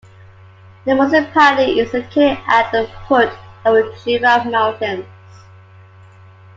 The municipality is located at the foot of the Jura Mountains.